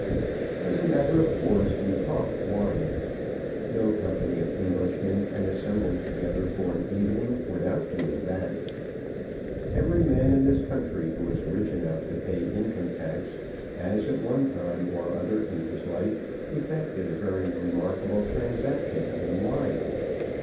As a matter of course, we talked wine. No company of Englishmen can assemble together for an evening without doing that. Every man in this country who is rich enough to pay income tax has at one time or other in his life effected a very remarkable transaction in wine.